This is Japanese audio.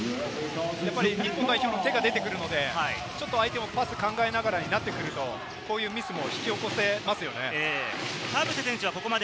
日本代表の手が出てくるので、相手もパスを考えながらになってくると、こういうミスも引き起こせますよね。